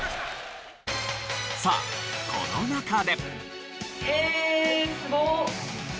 さあこの中で。